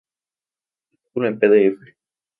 Artículo en pdf